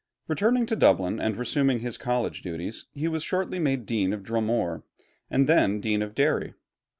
Returning to Dublin and resuming college duties, he was shortly made Dean of Dromore, and then Dean of Derry.